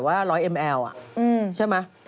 ทำไมถึงเอาขึ้นได้แล้วนะ